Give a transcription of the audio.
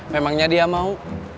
memangnya dia mau